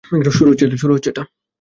শুরু হচ্ছে এটা!